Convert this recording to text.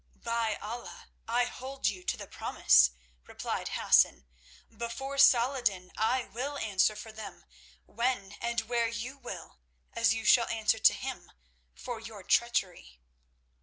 "By Allah! I hold you to the promise," replied Hassan. "Before Salah ed din I will answer for them when and where you will, as you shall answer to him for your treachery."